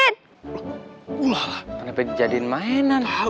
nggak dapet dijadiin mainan